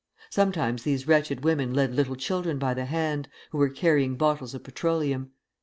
Sometimes these wretched women led little children by the hand, who were carrying bottles of petroleum.